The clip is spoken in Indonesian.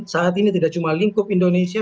saat ini tidak cuma lingkup indonesia